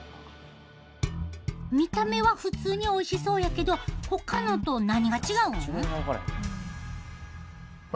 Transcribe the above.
見た目は普通においしそうやけどほかのと何が違うん？